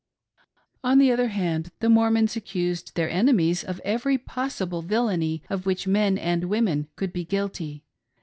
On the other hand, the Mormons accused their enemies of every possible villainy of which men and women could be guilty.